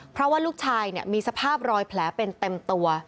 เพราะว่าลูกชายมีสภาพรอยแผลเป็นเต็มตัว